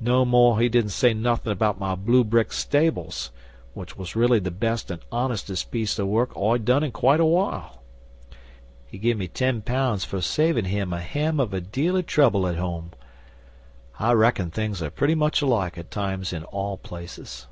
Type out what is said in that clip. No more he didn't say nothin' about my blue brick stables, which was really the best an' honestest piece o' work I'd done in quite a while. He give me ten pounds for savin' him a hem of a deal o' trouble at home. I reckon things are pretty much alike, all times, in all places.